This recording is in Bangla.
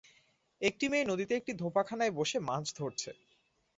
একটি মেয়ে নদীতে একটি ধোপাখানায় বসে মাছ ধরছে।